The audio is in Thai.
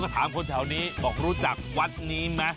ถามคนแถวนี้บอกรู้จักวัดนี้ไหม